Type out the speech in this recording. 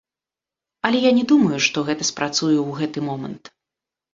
Але я не думаю, што гэта спрацуе ў гэты момант.